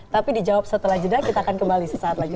tapi dijawab setelah jeda kita akan kembali sesaat lagi